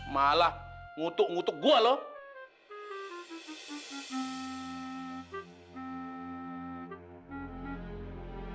malah ngutuk ngutuk gue loh